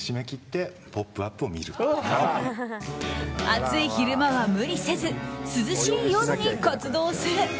暑い昼間は無理せず涼しい夜に活動する。